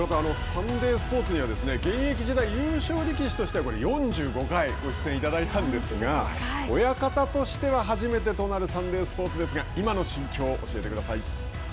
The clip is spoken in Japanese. サンデースポーツには現役時代優勝力士としては４５回ご出演いただいたんですが親方としては初めてとなるサンデースポーツですが今の心境教えてください。